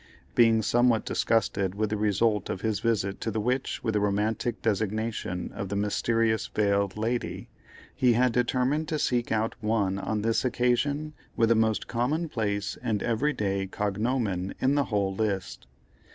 Being somewhat disgusted with the result of his visit to the witch with the romantic designation of the "Mysterious Veiled Lady," he had determined to seek out one on this occasion with the most common place and every day cognomen, in the whole list.